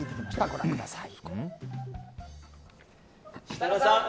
ご覧ください。